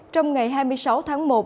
trong ngày hai mươi sáu tháng một